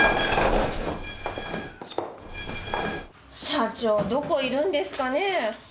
社長どこいるんですかね。